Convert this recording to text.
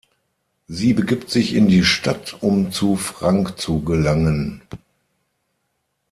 Sie begibt sich in die Stadt, um zu Frank zu gelangen.